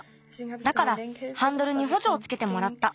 だからハンドルにほじょをつけてもらった。